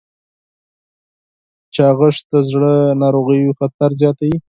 چاغښت د زړه ناروغیو خطر زیاتوي.